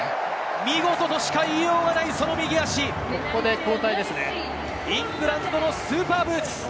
見事としか言いようがない、その右足、イングランドのスーパーブーツ！